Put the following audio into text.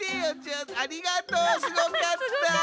ありがとうすごかった！